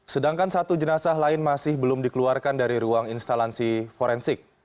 sedangkan satu jenazah lain masih belum dikeluarkan dari ruang instalasi forensik